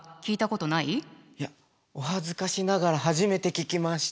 いやお恥ずかしながら初めて聞きました。